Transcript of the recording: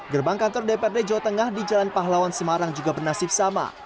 gerbang kantor dprd jawa tengah di jalan pahlawan semarang juga bernasib sama